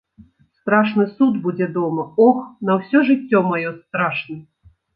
Страшны суд будзе дома, ох, на ўсё жыццё маё страшны!